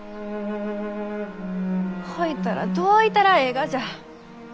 ほいたらどういたらえいがじゃ？